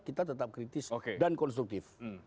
kita tetap kritis dan konstruktif